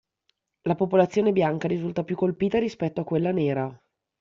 La popolazione bianca risulta più colpita rispetto a quella nera.